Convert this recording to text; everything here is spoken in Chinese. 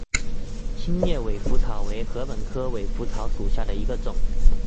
心叶尾稃草为禾本科尾稃草属下的一个种。